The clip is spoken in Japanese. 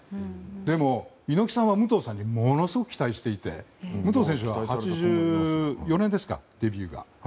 でも、猪木さんは武藤さんにものすごく期待していて武藤選手が８４年ですか、デビューが。